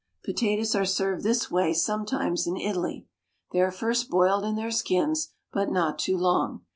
Potatoes are served this way sometimes in Italy. They are first boiled in their skins, but not too long.